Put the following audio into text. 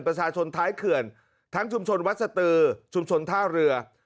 ประชาชนท้ายเขื่อนทั้งชุมชนวัดสตือชุมชนท่าเรือ